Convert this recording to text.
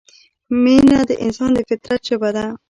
مینه د انسان د فطرت ژبه ده.